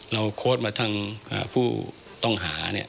เราโคสต์มาทั้งผู้ต้องหา